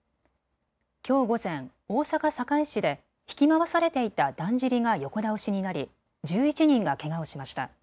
きょう午前、大阪堺市で引き回されていただんじりが横倒しになり１１人がけがをしました。